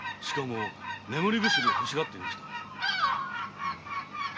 しかも眠り薬を欲しがっていました。